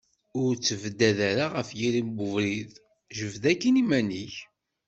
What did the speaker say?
Ur ttebdad ara ɣef yiri n ubrid, jbed akin iman-ik.